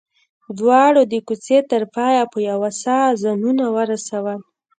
دواړو د کوڅې تر پايه په يوه ساه ځانونه ورسول.